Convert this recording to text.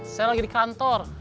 saya lagi di kantor